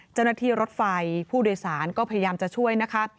เจ้าหน้าที่รถไฟผู้โดยสารก็พยายามจะช่วยนะคะ